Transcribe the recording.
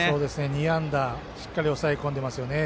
２安打しっかり抑え込んでいますね。